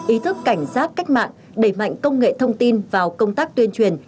ý thức cảnh giác cách mạng đẩy mạnh công nghệ thông tin vào công tác tuyên truyền